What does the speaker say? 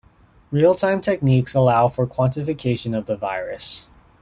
Real-time techniques allow for quantification of the virus.